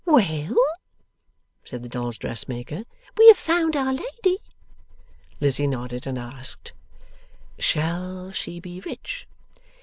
'Well?' said the dolls' dressmaker, 'We have found our lady?' Lizzie nodded, and asked, 'Shall she be rich?